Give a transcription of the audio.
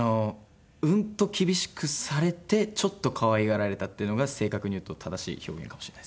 うんと厳しくされてちょっと可愛がられたっていうのが正確に言うと正しい表現かもしれないですね。